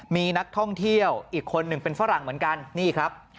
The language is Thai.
มีนักท่องเที่ยวอีกคนหนึ่งเป็นฝรั่งเหมือนกันนี่ครับ